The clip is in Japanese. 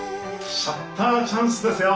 シャッターチャンスですよ！